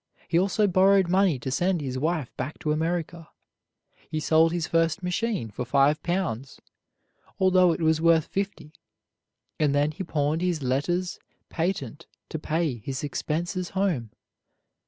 He also borrowed money to send his wife back to America. He sold his first machine for five pounds, although it was worth fifty, and then he pawned his letters patent to pay his expenses home.